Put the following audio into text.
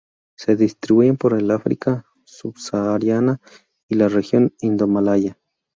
Se distribuyen por el África subsahariana y la región indomalaya.